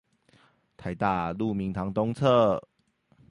臺大鹿鳴堂東側